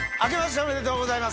おめでとうございます。